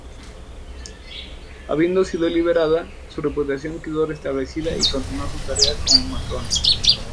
Habiendo sido liberada, su reputación quedó restablecida y continuó su tarea como matrona.